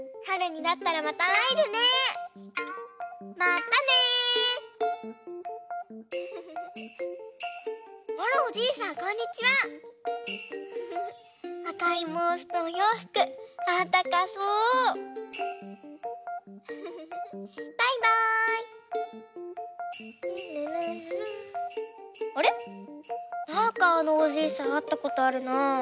なんかあのおじいさんあったことあるなあ。